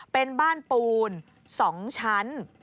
เป็นบ้านปูน๒ชั้น